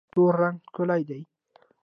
تور رنګ ښکلی دی.